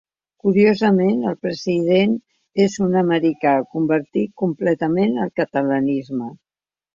Curiosament el president és un americà convertit completament al catalanisme.